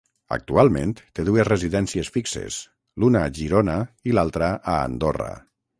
Actualment té dues residències fixes, l'una a Girona i l'altra a Andorra.